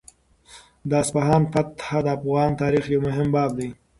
د اصفهان فتحه د افغان تاریخ یو مهم باب دی.